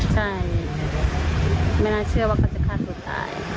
ใช่ไม่น่าเชื่อว่าเขาจะฆ่าตัวตาย